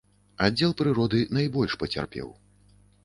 Аддзел прыроды найбольш пацярпеў.